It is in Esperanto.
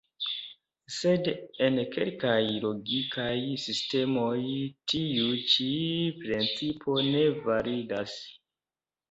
Sed en kelkaj logikaj sistemoj tiu ĉi principo ne validas.